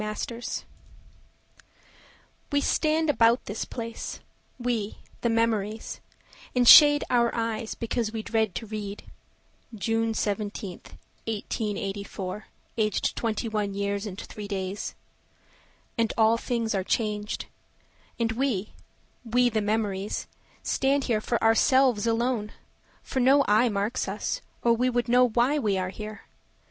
Edith Conant We stand about this place—we, the memories; And shade our eyes because we dread to read: "June 17th, 1884, aged 21 years and 3 days." And all things are changed. And we—we, the memories, stand here for ourselves alone, For no eye marks us, or would know why we are here.